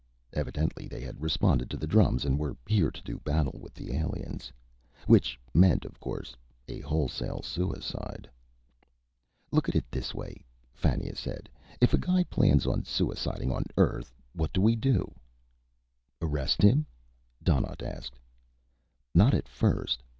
Evidently they had responded to the drums and were here to do battle with the aliens. Which meant, of course, a wholesale suicide. "Look at it this way," Fannia said. "If a guy plans on suiciding on Earth, what do we do?" "Arrest him?" Donnaught asked. "Not at first.